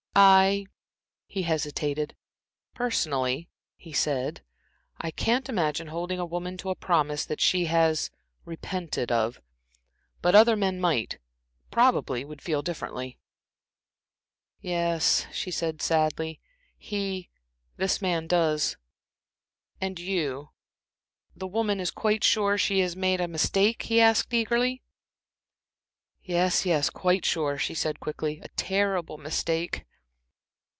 "I" he hesitated "Personally," he said, "I can't imagine holding a woman to a promise that she has repented of; but other men might probably would feel differently." "Yes," she said, sadly, "he this man does." "And you the woman is quite sure she has made a mistake," he asked, eagerly. "Yes, yes, quite sure," she said, quickly, "a terrible mistake."